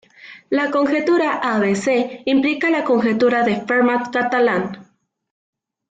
La conjetura abc implica la conjetura de Fermat–Catalan.